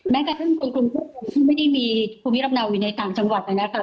แม้กระตุ้งคนคุณแม่มันไม่ได้มีคุณวิทย์รับเนวอยู่ในต่างจังหวัดนะครับ